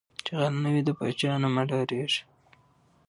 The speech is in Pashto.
ـ چې غل نه وې د پاچاه نه مه ډارېږه.